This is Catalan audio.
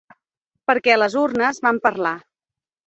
Perquè les urnes van parlar.